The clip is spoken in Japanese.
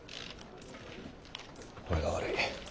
俺が悪い。